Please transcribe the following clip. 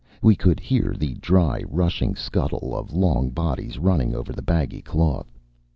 We could hear the dry rushing scuttle of long bodies running over the baggy cloth.